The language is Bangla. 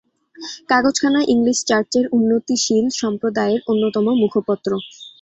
কাগজখানা ইংলিশ চার্চের উন্নতিশীল সম্প্রদায়ের অন্যতম মুখপত্র।